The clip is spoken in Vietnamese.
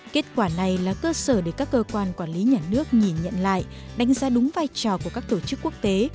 kết quả này là cơ sở để các cơ quan quản lý nhà nước nhìn nhận lại đánh giá đúng vai trò của các tổ chức quốc tế